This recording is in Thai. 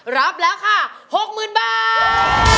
รับราคา๖๐๐๐๐บาท